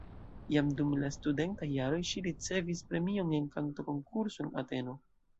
Jam dum la studentaj jaroj ŝi ricevis premion en kantokonkurso en Ateno.